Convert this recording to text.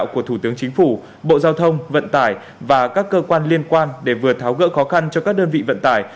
của thủ tướng chính phủ bộ giao thông vận tải và các cơ quan liên quan để vừa tháo gỡ khó khăn cho các đơn vị vận tải